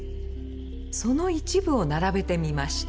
その一部を並べてみました。